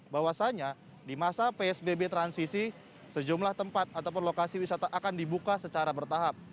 bahwasannya di masa psbb transisi sejumlah tempat ataupun lokasi wisata akan dibuka secara bertahap